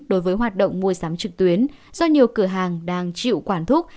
đối với hoạt động mua sắm trực tuyến do nhiều cửa hàng đang chịu quản thúc